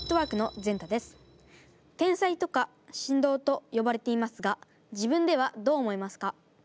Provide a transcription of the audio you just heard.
天才とか神童とよばれていますが自分ではどう思いますか？